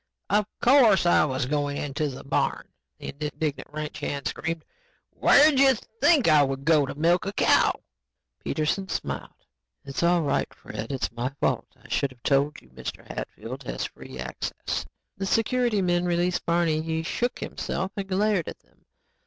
"Of course I was going into the barn," the indignant ranch hand screamed. "Where'd you think I would go to milk a cow?" Peterson smiled. "It's all right, Fred. It's my fault. I should have told you Mr. Hatfield has free access." The security men released Barney. He shook himself and glared at them.